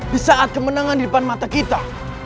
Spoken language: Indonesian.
di saat kemenangan di depan mata kita